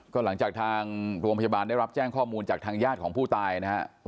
ก็หลังจากทางโรงพยาบาลได้รับแจ้งข้อมูลจากทางญาติของผู้ตายนะฮะ